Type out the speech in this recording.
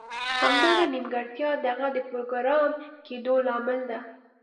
همدغه نیمګړتیا د هغه د پروګرامر کیدو لامل ده